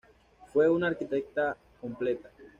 Fue una arquitecta completa.".